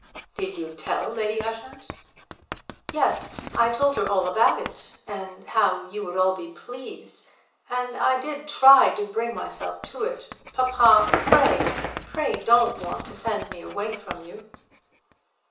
"Did you tell Lady Ushant?" "Yes; I told her all about it, and how you would all be pleased. And I did try to bring myself to it. Papa, pray, pray don't want to send me away from you."